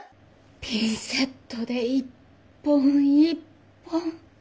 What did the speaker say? ピンセットで一本一本。